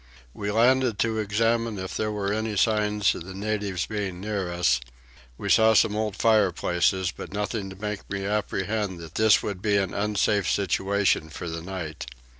We landed to examine if there were any signs of the natives being near us: we saw some old fireplaces but nothing to make me apprehend that this would be an unsafe situation for the night.